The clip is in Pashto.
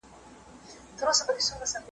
غوره کړی چا دوکان چا خانقاه ده